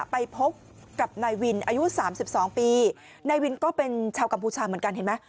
ไปพบกับนายวินอายุ๓๒ปีนายวินก็เป็นชาวกัมพูชาเหมือนกันเห็นไหม